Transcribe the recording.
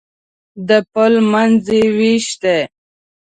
د پل منځ یې وېش دی.